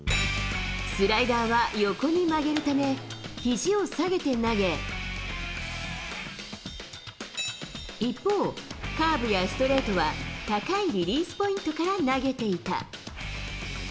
スライダーは横に曲げるため、ひじを下げて投げ、一方、カーブやストレートは高いリリースポイントから投げていた。